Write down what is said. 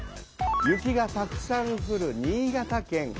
雪がたくさんふる新潟県。